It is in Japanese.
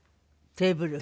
テーブル？